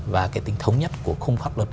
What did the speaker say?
và cái tính thống nhất của không pháp luật